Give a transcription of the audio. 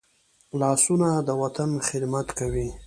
لاسونه د وطن خدمت کوي